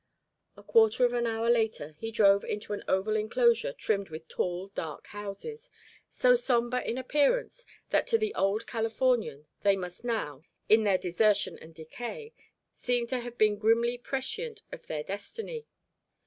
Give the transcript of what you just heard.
A quarter of an hour later he drove into an oval enclosure trimmed with tall dark houses, so sombre in appearance that to the old Californian they must now, in their desertion and decay, seem to have been grimly prescient of their destiny.